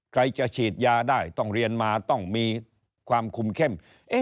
ใครจะฉีดยาได้ต้องเรียนมาต้องมีความคุมเข้ม